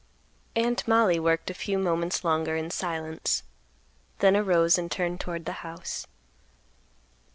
Aunt Mollie worked a few moments longer in silence, then arose and turned toward the house.